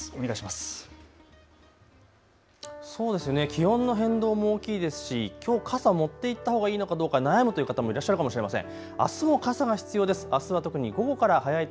気温の変動も大きいですしきょう傘持っていったほうがいいのか悩む方もいらっしゃるかもしれません。